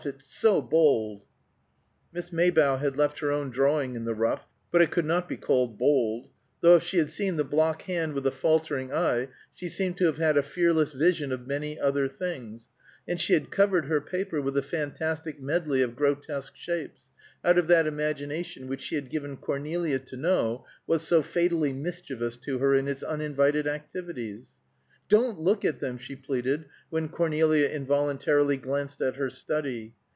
It's so bold." Miss Maybough had left her own drawing in the rough, but it could not be called bold; though if she had seen the block hand with a faltering eye, she seemed to have had a fearless vision of many other things, and she had covered her paper with a fantastic medley of grotesque shapes, out of that imagination which she had given Cornelia to know was so fatally mischievous to her in its uninvited activities. "Don't look at them!" she pleaded, when Cornelia involuntarily glanced at her study.